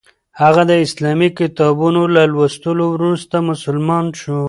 هغه د اسلامي کتابونو له لوستلو وروسته مسلمان شو.